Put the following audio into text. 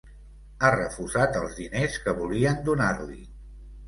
Ha refusat els diners que volien donar-li.